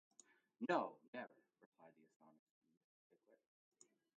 ‘No — never!’ replied the astonished Mr. Pickwick.